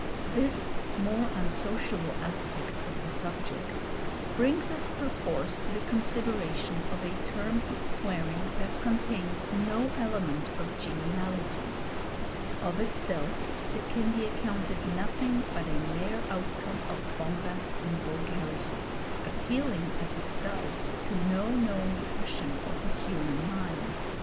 This more unsociable aspect of the subject brings us perforce to the consideration of a term of swearing that contains no element of geniality. Of itself it can be accounted nothing but a mere outcome of bombast and vulgarity, appealing as it does to no known passion of the human mind.